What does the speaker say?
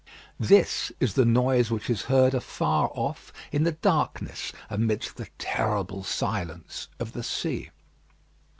This is the noise which is heard afar off in the darkness amidst the terrible silence of the sea.